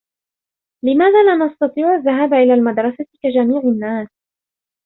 لماذا لا نستطيع الذّهاب إلى المدرسة كجميع النّاس؟